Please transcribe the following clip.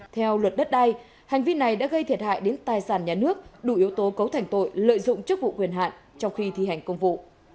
theo luật đất đai hành vi này đã gây thiệt hại đến tài sản nhà nước đủ yếu tố cấu thành tội lợi dụng chức vụ quyền hạn trong khi thi hành công vụ